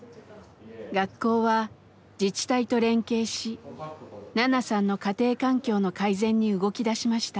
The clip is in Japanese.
学校は自治体と連携しナナさんの家庭環境の改善に動きだしました。